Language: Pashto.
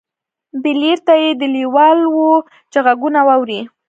بليير دې ته لېوال و چې غږونه واوري.